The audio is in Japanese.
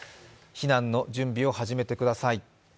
避難の準備を始めてください。